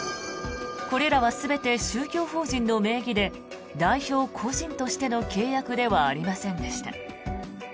これらは全て、宗教法人の名義で代表個人としての契約ではありませんでした。